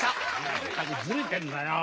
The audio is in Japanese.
やっぱりずれてんだよ！